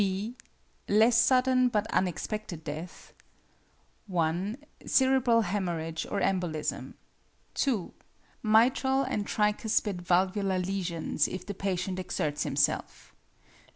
(b) =Less Sudden but Unexpected Death= 1. Cerebral hæmorrhage or embolism. 2. Mitral and tricuspid valvular lesions if the patient exerts himself.